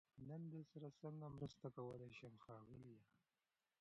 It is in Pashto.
نن درسره سنګه مرسته کولای شم ښاغليه🤗